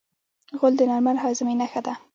غول د نارمل هاضمې نښه ده.